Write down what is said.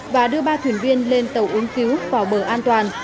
và đưa ba thuyền viên lên tàu ứng cứu vào bờ an toàn